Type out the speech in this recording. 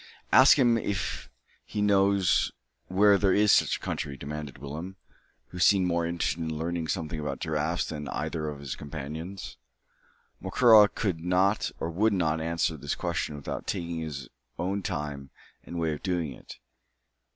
"Ask him if he knows where there is such a country," demanded Willem, who seemed more interested in learning something about giraffes than either of his companions. Macora could not or would not answer this question without taking his own time and way of doing it.